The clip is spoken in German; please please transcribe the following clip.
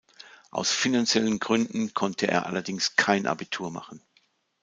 Aus finanziellen Gründen konnte er allerdings kein Abitur machen.